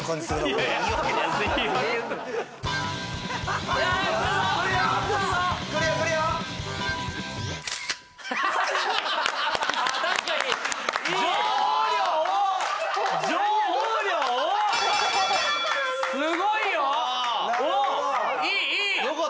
すごいよ。